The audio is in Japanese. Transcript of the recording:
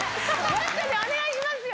本当にお願いしますよ！